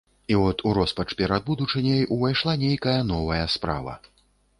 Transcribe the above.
І от у роспач перад будучыняй увайшла нейкая новая справа.